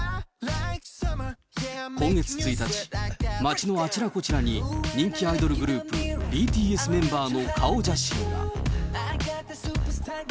今月１日、街のあちらこちらに人気アイドルグループ、ＢＴＳメンバーの顔写真が。